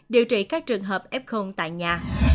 điều trị các trường hợp f tại nhà